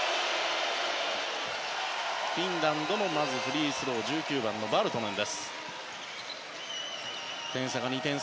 フィンランドのフリースローは１９番、バルトネン。